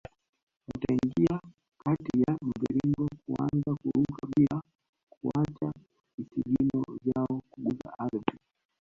Wataingia kati ya mviringo kuanza kuruka bila kuacha visigino vyao kugusa ardhi